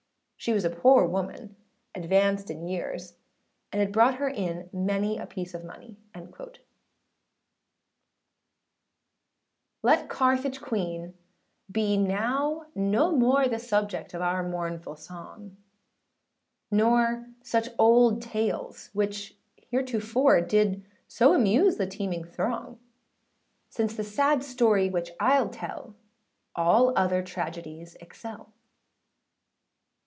She was a poor woman, advanced in years, and it brought her in many a piece of money.â] LET Carthage Queen be now no more The subject of our mournful song; Nor such old tales which, heretofore, Did so amuse the teeming throng; Since the sad story which Iâll tell, All other tragedies excel.